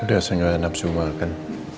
udah saya gak nafsu makan